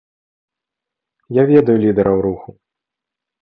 Я ведаю лідэраў руху.